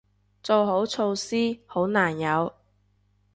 做好措施，好難有